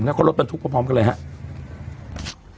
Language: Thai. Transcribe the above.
หากคนรถมาทุกพร้อมกันเลยครับ